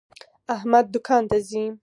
احمد دوکان ته ځي.